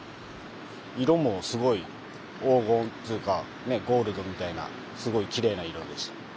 色もすごい黄金っていうかゴールドみたいなすごいきれいな色でした。